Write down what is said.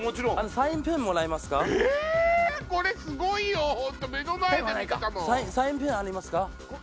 サインペンありますか？